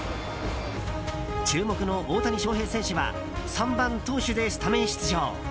注目の大谷翔平選手は３番、投手でスタメン出場。